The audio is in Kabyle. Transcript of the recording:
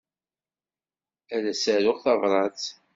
Ad s-aruɣ tabrat.